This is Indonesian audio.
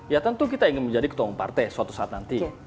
ya tentu kita ingin menjadi ketua umum partai suatu saat nanti